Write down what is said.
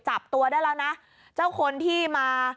จับตัวได้แล้วนะเจ้าคนที่มา